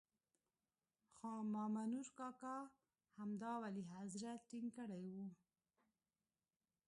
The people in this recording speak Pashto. خو مامنور کاکا همدا ولي حضرت ټینګ کړی وو.